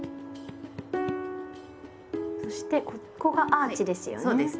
そしてここがアーチですよね？